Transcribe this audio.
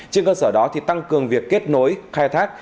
trên cơ sở đó thì tăng cường việc kết nối khai thác